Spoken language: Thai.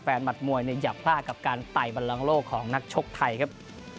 หมัดมวยอย่าพลาดกับการไต่บันลังโลกของนักชกไทยครับ